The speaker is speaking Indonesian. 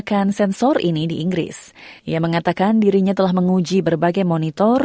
yang mengatakan dirinya telah menguji berbagai monitor